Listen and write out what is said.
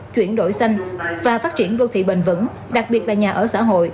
chuyển đổi xanh và phát triển đô thị bền vững đặc biệt là nhà ở xã hội